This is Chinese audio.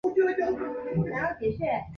近日被缉事衙门指他散播妖言而逮捕他。